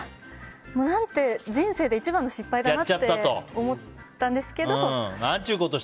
人生で一番の失敗だなって思ったんですけど。